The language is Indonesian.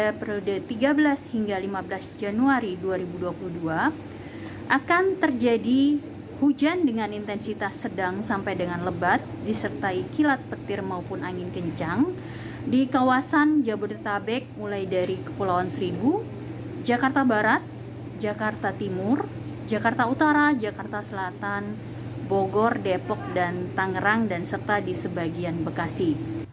pada periode tiga belas hingga lima belas januari dua ribu dua puluh dua akan terjadi hujan dengan intensitas sedang sampai dengan lebat disertai kilat petir maupun angin kencang di kawasan jabodetabek mulai dari kepulauan seribu jakarta barat jakarta timur jakarta utara jakarta selatan bogor depok dan tangerang dan serta di sebagian bekasi